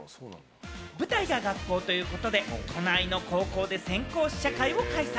舞台が学校ということで、都内の高校で先行試写会を開催。